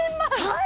はい！